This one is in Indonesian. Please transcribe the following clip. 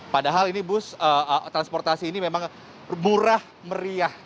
padahal ini bus transportasi ini memang murah meriah